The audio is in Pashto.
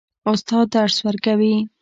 استاد درس ورکوي.